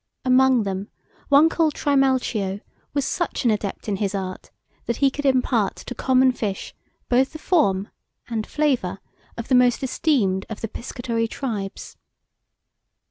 Among them, one called Trimalcio was such an adept in his art, that he could impart to common fish both the form and flavour of the most esteemed of the piscatory tribes.